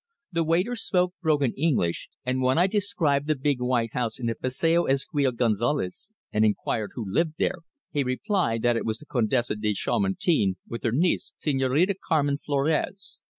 The waiter spoke broken English, and when I described the big white house in the Passeo Ezequiel González and inquired who lived there he replied that it was the Condesa de Chamartin with her niece Señorita Carmen Florez.